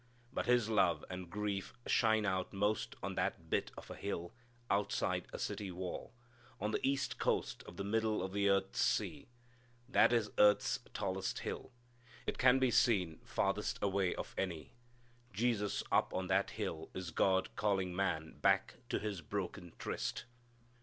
But His love and grief shine out most on that bit of a hill, outside a city wall, on the east coast of the middle of the earth sea. That is earth's tallest hill. It can be seen farthest away of any. Jesus up on that hill is God calling man back to his broken tryst.